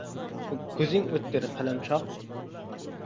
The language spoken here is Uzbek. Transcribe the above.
Ko‘zing o‘tkir, qalamqosh.